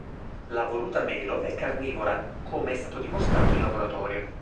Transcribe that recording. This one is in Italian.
La voluta melo è carnivora, come è stato dimostrato in laboratorio.